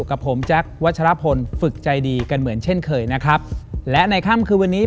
กับผมแจ๊ควัชรพลฝึกใจดีกันเหมือนเช่นเคยนะครับและในค่ำคืนวันนี้